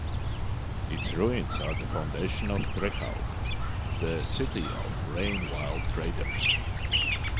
Its ruins are the foundation of Trehaug, the city of the Rain Wild Traders.